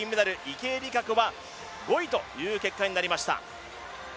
池江璃花子は５位という結果になりました。